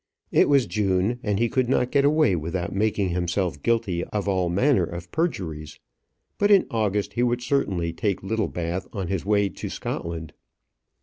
It was June, and he could not get away without making himself guilty of all manner of perjuries; but in August he would certainly take Littlebath on his way to Scotland.